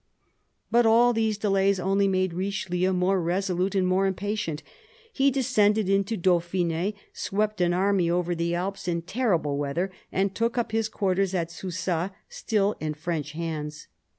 But all these delays only made Richelieu more resolute and more impatient. He descended into Dauphin6, swept an army over the Alps in terrible weather, and took up his quarters at Susa, still in French hands.